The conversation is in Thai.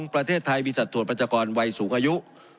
ประเทศไทยมีสัตว์ตัวปัญชากรวัยสูงอายุ